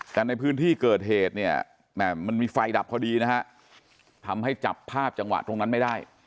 แต่ในพื้นที่เกิดเหตุเนี่ยมันมีไฟดับพอดีนะฮะทำให้จับภาพจังหวะตรงนั้นไม่ได้